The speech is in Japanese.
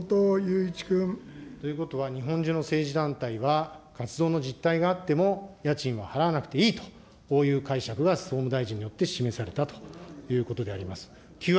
ということは、日本中の政治団体は活動の実態があっても、家賃は払わなくていいと、こういう解釈が総務大臣によって示されたということであります。